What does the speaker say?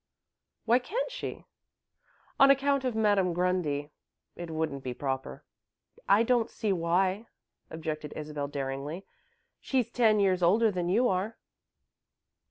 "Why can't she?" "On account of Madame Grundy. It wouldn't be proper." "I don't see why," objected Isabel, daringly. "She's ten years older than you are."